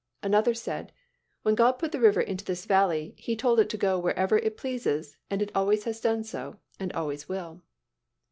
Another said, "When God put the river into this valley, He told it to go wherever it pleased, and it always has done so, and always will."